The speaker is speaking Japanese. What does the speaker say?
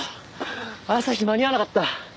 朝日間に合わなかった。